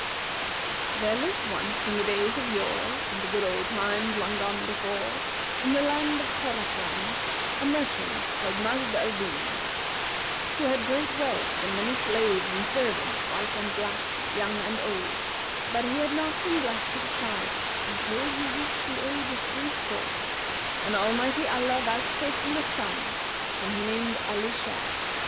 There lived once in the days of yore and the good old times long gone before, in the land of Khorasan, a merchant called Majd al Dнn, who had great wealth and many slaves and servants, white and black, young and old; but he had not been blessed with a child until he reached the age of threescore, when Almighty Allah vouchsafed him a son, whom he named Alн Shбr.